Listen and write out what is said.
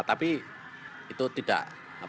tapi itu tidak